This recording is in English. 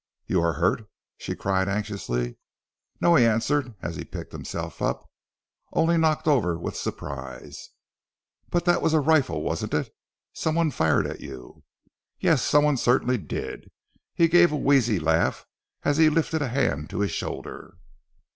"You are hurt?" she cried anxiously. "No," he answered, as he picked himself up. "Only knocked over with surprise." "But that was a rifle, wasn't it? Some one fired at you?" "Yes, some one certainly did!" He gave a wheezy laugh as he lifted a hand to his shoulder.